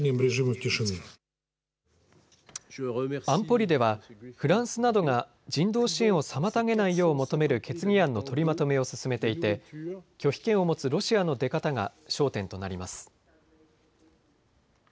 安保理では、フランスなどが人道支援を妨げないよう求める決議案の取りまとめを進めていて拒否権を持つロシアの出方が焦点となります。